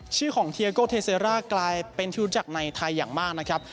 ชื่อของเทียโกเทเซร่ากลายเป็นที่รู้จักในไทยอย่างมากนะครับ